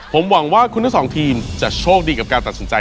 ผมหวังว่าคุณทั้งสองทีมจะโชคดีกับการตัดสินใจ